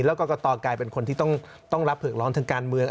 แล้วกรกตกลายเป็นคนที่ต้องรับเผือกร้อนทางการเมือง